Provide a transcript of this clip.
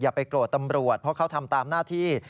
ไปโกรธตำรวจเพราะเขาทำตามหน้าที่